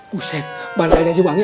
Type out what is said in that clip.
buset bantanya aja wangi